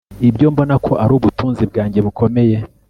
ibyo mbona ko ari ubutunzi bwanjye bukomeye